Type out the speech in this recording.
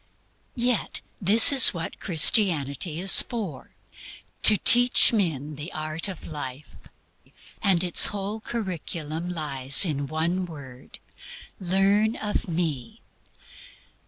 Yet this is what Christianity is for to teach men THE ART OF LIFE. And its whole curriculum lies in one word "Learn of me."